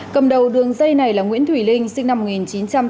cầm đầu đường dây này là nguyễn thủy linh sinh năm một nghìn chín trăm tám mươi